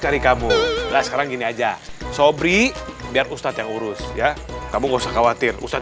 cari kamu nah sekarang gini aja sobri biar ustadz yang urus ya kamu nggak usah khawatir ustadz